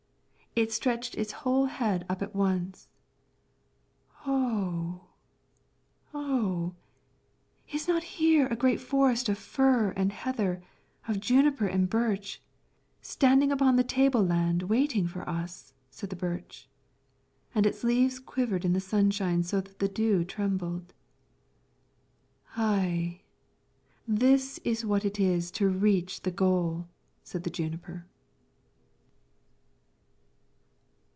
It stretched its whole head up at once. "Oh, oh! is not here a great forest of fir and heather, of juniper and birch, standing upon the table land waiting for us?" said the birch; and its leaves quivered in the sunshine so that the dew trembled. "Ay, this is what it is to reach the goal!" said the juniper.